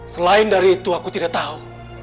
selain dari itu aku tidak tahu